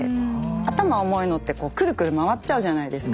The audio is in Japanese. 頭重いのってくるくる回っちゃうじゃないですか。